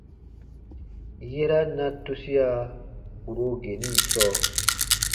Yera na tusia kùro geni sɔɔ.